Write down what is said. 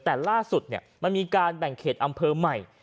แต่ล่าสุดมันมีการแบ่งเขตอำเภอใหม่